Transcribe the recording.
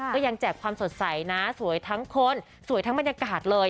แจกความสดใสนะสวยทั้งคนสวยทั้งบรรยากาศเลย